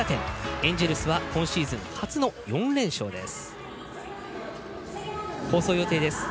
エンジェルスは今シーズン初の４連勝です。